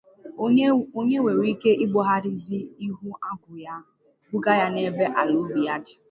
o nwere ike ibugharịzị ihu agwụ ya buga ya n'ebe ala obi ya dị